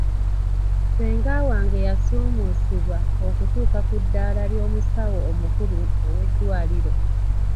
Ssenga wange yasuumuusibwa okutuuka ku ddaala ly'omusawo omukulu ow'eddwaliro.